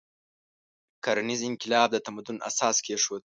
کرنیز انقلاب د تمدن اساس کېښود.